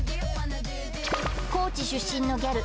高知出身のギャル